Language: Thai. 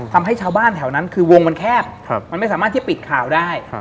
ทำให้ชาวบ้านแถวนั้นคือวงมันแคบมันไม่สามารถที่ปิดข่าวได้